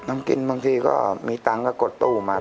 กินบางทีก็มีตังค์ก็กดตู้มา